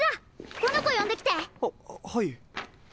このこよんできて！ははい。